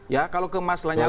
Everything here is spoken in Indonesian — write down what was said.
ya kalau kemaslanya lah